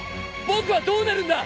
僕はどうなるんだ！？